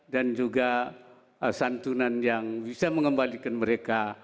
dan juga santunan yang bisa mengembalikan mereka